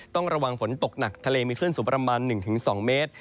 ต้องระวังฝนตกหนักทะเลมีคลื่นสูงประมาณ๑๒เมตร